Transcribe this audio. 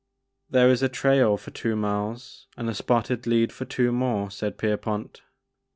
'< There is a trail for two miles and a spotted lead for two more," said Pierpont.